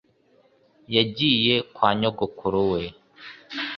yagiye kwa nyogokuru we